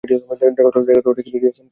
দেখ তো, ওটা কি রেডিও সেন্টার?